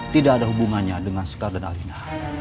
tidak ada hubungannya dengan sekar dan alina